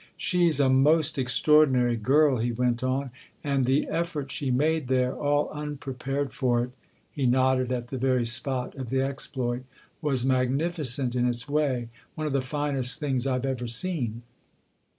" She's a most extraordinary girl," he went on 242 THE OTHER HOUSE " and the effort she made there, all unprepared for it" he nodded at the very spot of the exploit " was magnificent in its way, one of the finest things I've ever seen."